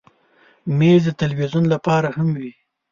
مېز د تلویزیون لپاره هم وي.